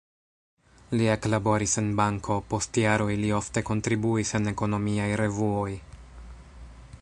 Li eklaboris en banko, post jaroj li ofte kontribuis en ekonomiaj revuoj.